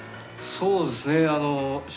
そうですね。